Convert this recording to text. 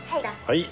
はい。